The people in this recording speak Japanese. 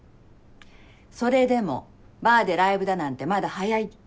それでもバーでライブだなんてまだ早いって。